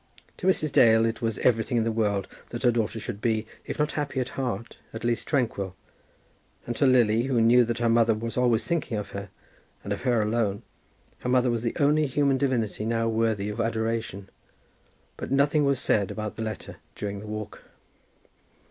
To Mrs. Dale it was everything in the world that her daughter should be, if not happy at heart, at least tranquil; and to Lily, who knew that her mother was always thinking of her, and of her alone, her mother was the only human divinity now worthy of adoration. But nothing was said about the letter during the walk.